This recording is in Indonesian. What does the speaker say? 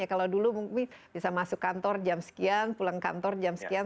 kalau dulu mungkin bisa masuk kantor jam sekian pulang kantor jam sekian